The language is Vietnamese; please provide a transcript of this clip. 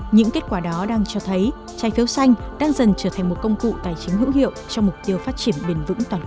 những kết quả đó đang cho thấy trái phiếu xanh đang dần trở thành một công cụ tài chính hữu hiệu cho mục tiêu phát triển bền vững toàn cầu